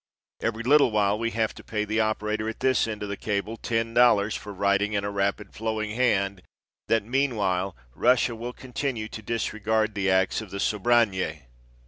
Every little while we have to pay the operator at this end of the cable ten dollars for writing in a rapid, flowing hand that "meanwhile Russia will continue to disregard the acts of the Sobranje."